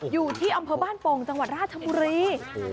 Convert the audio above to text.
อยู่ที่อำเภอบ้านโป่งจังหวัดราชบุรี